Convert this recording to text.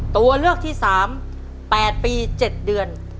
ตัวเลือกที่๓๘ปี๗เดือน